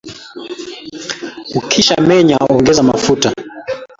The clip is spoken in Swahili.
ukisha menye ongeza mafuta